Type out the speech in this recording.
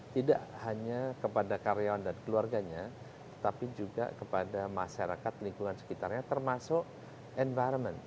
tidak hanya kepada karyawan dan keluarganya tapi juga kepada masyarakat lingkungan sekitarnya termasuk environment